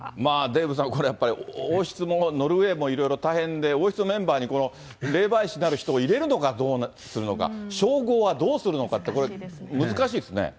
デーブさん、これ、やっぱり王室もノルウェーもいろいろ大変で、王室のメンバーにこの霊媒師なる人を入れるのかどうするのか、称号はどうするのかって、これ、難しいですね。